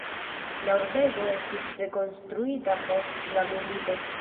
La urbego estis rekonstruita post la milito.